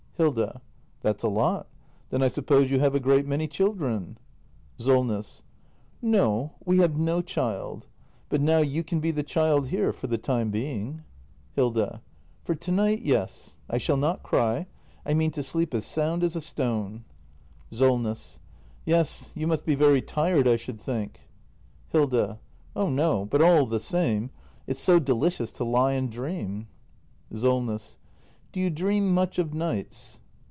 Hilda. That's a lot. Then I suppose you have a great many children ? Solness. No. We have no child. But now you can be the child here, for the time being. 292 THE MASTER BUILDER [act i Hilda. For to night, yes. I shall not cry. I mean to sleep as sound as a stone. SOLNESS. Yes, you must be very tired, I should think. Hilda. Oh no! But all the same . It's so delicious to lie and dream. Solness. Do you dream much of nights?